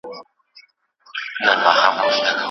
ښوونکو تل سپارښتنه کړې چي له توهماتو ځان لري وساتئ.